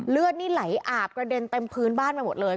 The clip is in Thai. เลือดนี่ไหลอาบกระเด็นเต็มพื้นบ้านไปหมดเลย